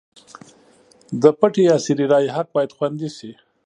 د پټې یا سري رایې حق باید خوندي شي.